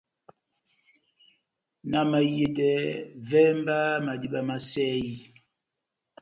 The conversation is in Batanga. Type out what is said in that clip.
Na mahiyedɛ, vɛ́hɛ mba madíma má sɛyi !